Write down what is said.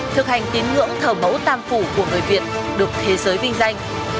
thực hành tín ngưỡng thờ mẫu tam phủ của người việt được thế giới vinh danh